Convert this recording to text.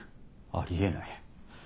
あり得ない。